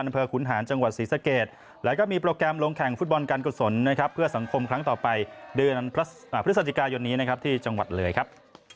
ทุกคนได้บูรณ์ร่วมกันเลยครับ